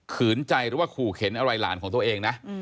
ใจหรือว่าขู่เข็นอะไรหลานของตัวเองนะ